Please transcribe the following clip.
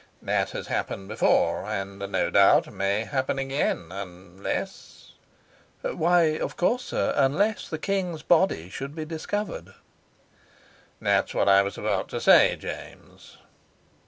"That has happened before, and no doubt may happen again, unless " "Why, of course, sir, unless the king's body should be discovered." "That's what I was about to say, James."